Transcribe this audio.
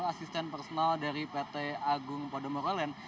asisten personal dari pt agung podomorolen